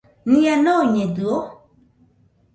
Nia noiñedɨo?